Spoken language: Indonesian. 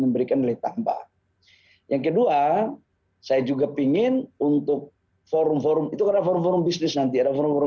memberikan nilai tambah yang kedua saya juga ingin untuk forum forum vlog bisnis robi sofa